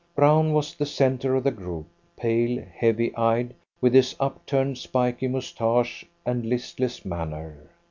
Brown was the centre of the group, pale, heavy eyed, with his upturned, spiky moustache and listless manner.